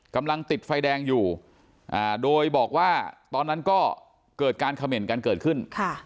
กำลังติดไฟแดงอยู่โดยบอกว่าตอนนั้นก็เกิดการเขม่นกันเกิดขึ้น